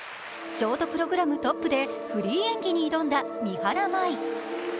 ショートプログラムトップでフリー演技に挑んだ三原舞依。